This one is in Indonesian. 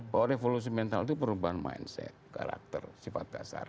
bahwa revolusi mental itu perubahan mindset karakter sifat dasar